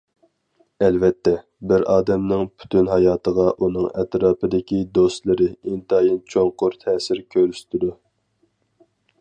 ئەلۋەتتە، بىر ئادەمنىڭ پۈتۈن ھاياتىغا ئۇنىڭ ئەتراپىدىكى دوستلىرى ئىنتايىن چوڭقۇر تەسىر كۆرسىتىدۇ.